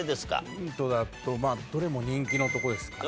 ヒントだとどれも人気のとこですかね。